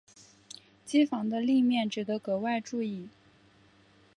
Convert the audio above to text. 机房的立面值得格外注意。